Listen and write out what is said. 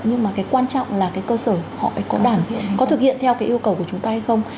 nhưng mà cái quan trọng là cái cơ sở họ phải có thực hiện theo cái yêu cầu của chúng ta hay không